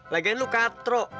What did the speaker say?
lagian lu katrok